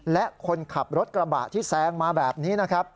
และคนขับรถกระบะที่แซงมาแบบนี้นะครับ